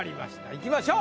いきましょう。